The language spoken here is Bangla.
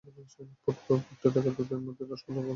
ফুটতে থাকা দুধের মধ্যে এবার রসমালাইগুলো দিয়ে ঢেকে দিন।